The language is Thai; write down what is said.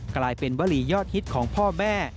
กลายเป็นวลียอดฮิตของพ่อแม่